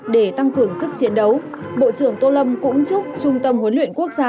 để tăng cường sức chiến đấu bộ trưởng tô lâm cũng chúc trung tâm huấn luyện quốc gia